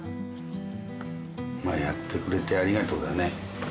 まあやってくれてありがとうだね。